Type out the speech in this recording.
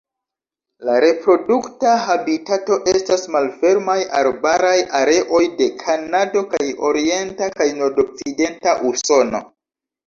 La reprodukta habitato estas malfermaj arbaraj areoj de Kanado kaj orienta kaj nordokcidenta Usono.